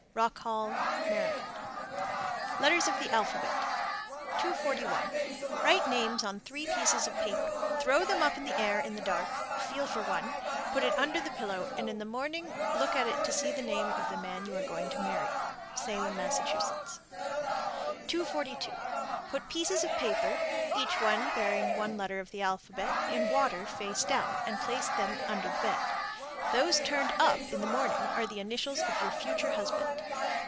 Rock Hall, Md. LETTERS OF THE ALPHABET. 241. Write names on three pieces of paper, throw them up in the air (in the dark); feel for one, put it under the pillow, and in the morning look at it to see the name of the man you are to marry. Salem, Mass. 242. Put pieces of paper, each bearing one letter of the alphabet, in water face down, and then place them under the bed. Those turned up in the morning are the initials of your future husband.